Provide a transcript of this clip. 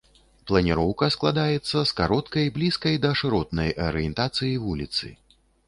Планіроўка складаецца з кароткай, блізкай да шыротнай арыентацыі вуліцы.